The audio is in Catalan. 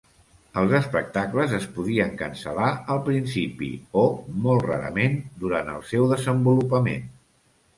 Els espectacles es podien cancel·lar al principi o, molt rarament, durant el seu desenvolupament.